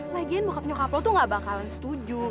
lagian bokap nyokap lo tuh gak bakalan setuju